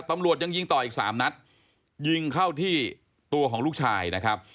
ตำรวจยังยิงต่ออีกสามนัดยิงเข้าที่ตัวของลูกชายนะครับ